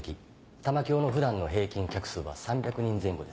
玉響の普段の平均客数は３００人前後です。